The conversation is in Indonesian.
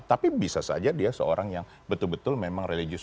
tapi bisa saja dia seorang yang betul betul memang religius